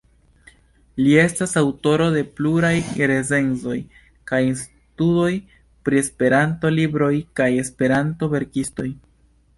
Li estas aŭtoro de pluraj recenzoj kaj studoj pri Esperanto-libroj kaj Esperanto-verkistoj.